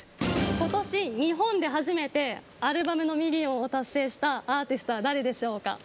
今年日本で初めてアルバムのミリオンを達成したアーティストは誰でしょうか？